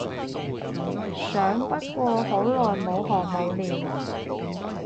想不過好耐冇學冇練